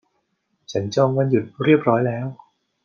ฉันจองวันหยุดเรียบร้อยแล้ว